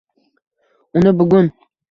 uni bugun